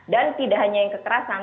dan tidak hanya yang kekerasan